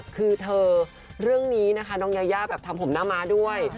คือเรื่องนี้น้องยาย่าทำผมหน้ามาด้วย